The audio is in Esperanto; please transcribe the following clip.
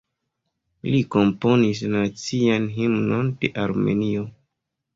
Li komponis la Nacian Himnon de Armenio.